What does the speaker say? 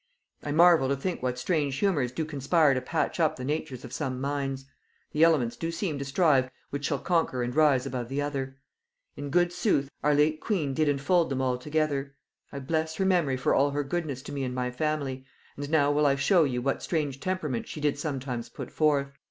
"I marvel to think what strange humors do conspire to patch up the natures of some minds. The elements do seem to strive which shall conquer and rise above the other. In good sooth our late queen did infold them all together. I bless her memory for all her goodness to me and my family; and now will I show you what strange temperament she did sometimes put forth.